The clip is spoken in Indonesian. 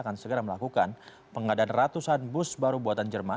akan segera melakukan pengadaan ratusan bus baru buatan jerman